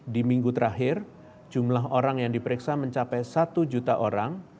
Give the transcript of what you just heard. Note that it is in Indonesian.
di minggu terakhir jumlah orang yang diperiksa mencapai satu juta orang